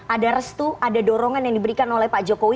ada restu ada dorongan yang diberikan oleh pak jokowi